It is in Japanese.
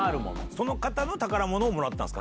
その方の宝物をもらったんですか？